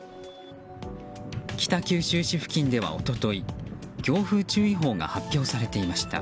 北九州市付近では一昨日強風注意報が発表されていました。